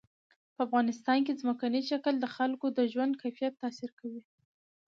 په افغانستان کې ځمکنی شکل د خلکو د ژوند کیفیت تاثیر کوي.